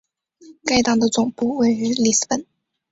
该党的总部位于里斯本。